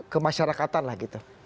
kemasyarakatan lah gitu